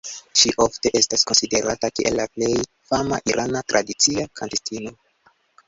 Ŝi ofte estas konsiderata kiel la plej fama irana tradicia kantistino.